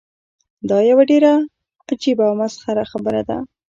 دا یوه ډیره عجیبه او مسخره خبره ده.